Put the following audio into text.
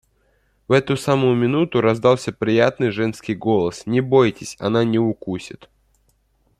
В эту самую минуту раздался приятный женский голос: «Не бойтесь, она не укусит».